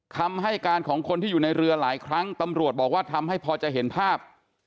คำให้การของคนที่อยู่ในเรือหลายครั้งตำรวจบอกว่าทำให้พอจะเห็นภาพ